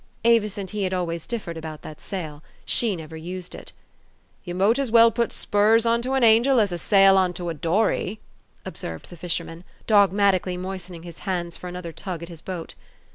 Avis and he had always differed about that sail : she never used it. " You mought as well put spurs onto an angel as a sail onto a dory," observed the fisherman, dogmat ically moistening his hands for another tug at his boat.